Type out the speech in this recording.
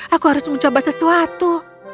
aku harus mencoba sesuatu